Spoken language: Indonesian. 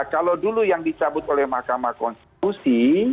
kalau dulu yang dicabut oleh mahkamah konstitusi